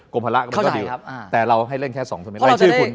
กรมภาระก็มันก็ดีแต่เราให้เล่นแค่๒ส่วนแม่นในชื่อคุณอ๋อ